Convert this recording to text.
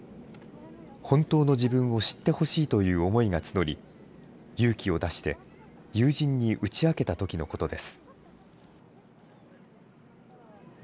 本当の自分を知ってほしいという思いが募り、勇気を出して、友人に打ち明けたときのことです。